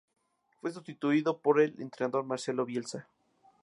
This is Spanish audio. Fue sustituido por el entrenador Marcelo Bielsa.